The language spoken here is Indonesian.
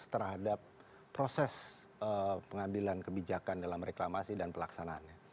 terhadap proses pengambilan kebijakan dalam reklamasi dan pelaksanaannya